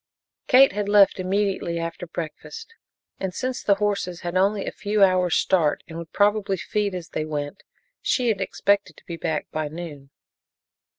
Kate had left immediately after breakfast, and since the horses had only a few hours' start and would probably feed as they went, she had expected to be back by noon.